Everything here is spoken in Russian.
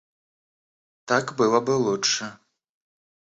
Так было бы лучше.